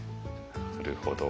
なるほど。